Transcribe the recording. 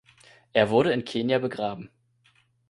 Er wurde in Kenia begraben.